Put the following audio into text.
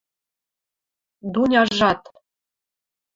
Дуняжат: